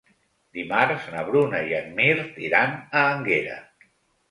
Dimarts na Bruna i en Mirt iran a Énguera.